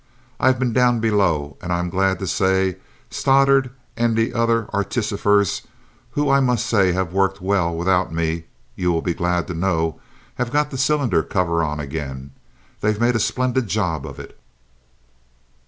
"I've been down below and I'm glad to say Stoddart and the other artificers, who I must say have worked well without me, you will be glad to know, have got the cylinder cover on again. They've made a splendid job of it!"